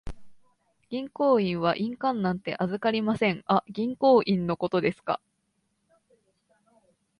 銀行員は印鑑なんて預かりません。あ、銀行印のことですか。